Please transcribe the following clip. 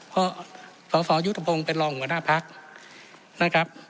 เพราะศอสอยุธพงษ์เป็นรองหัวหน้าพักษ์นะครับ